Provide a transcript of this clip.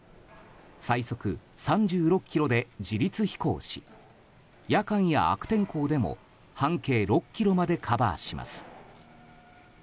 最速３６キロで自律飛行し夜間や悪天候でも半径６ｋｍまでカバーします。